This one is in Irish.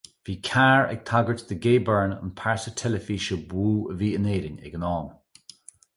Bhí Carr ag tagairt do Gay Byrne, an pearsa teilifíse ba mhó a bhí in Éirinn ag an am.